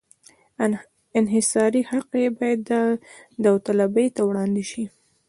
انحصاري حق یې باید داوطلبۍ ته وړاندې شي.